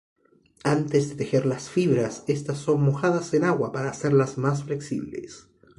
Antes de tejer las fibras están son mojadas en agua para hacerlas más flexibles.